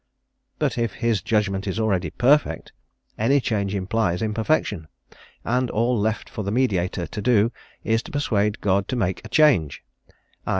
But if His judgment is already perfect, any change implies imperfection, and all left for the mediator to do is to persuade God to make a change, _i.